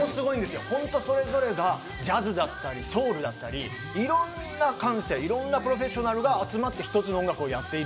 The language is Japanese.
本当それぞれがジャズだったり、ソウルだったり、いろんな感性、いろんなプロフェッショナル